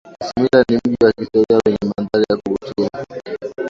isimila ni mji wa kihistoria wenye mandhari ya kuvutia